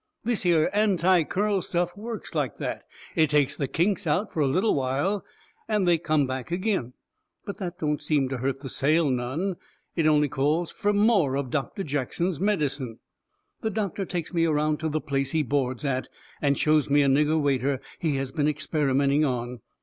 This here Anti Curl stuff works like that it takes the kinks out fur a little while, and they come back agin. But that don't seem to hurt the sale none. It only calls fur MORE of Doctor Jackson's medicine. The doctor takes me around to the place he boards at, and shows me a nigger waiter he has been experimenting on.